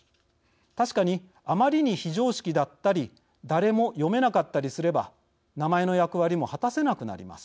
確かにあまりに非常識だったり誰も読めなかったりすれば名前の役割も果たせなくなります。